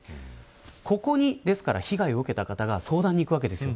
ここに被害を受けた方が相談に行くわけですよ。